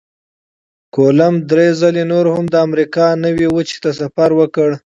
کولمب درې ځلې نور هم د امریکا نوي وچې ته سفر وکړ.